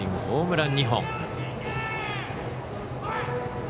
ホームラン２本。